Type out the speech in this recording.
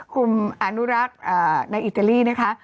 คุมอนุรักษ์ในอิตาลีนะคะ